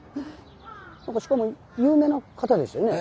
しかも有名な方でしたよね。